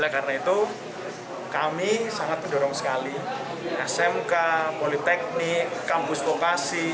karena itu kami sangat mendorong sekali smk politeknik kampus fokasi